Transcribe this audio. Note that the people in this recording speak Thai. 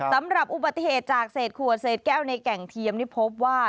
สำหรับอุบัติเหตุจากเศษขวดเศษแก้วในแก่งเทียมนี่พบว่า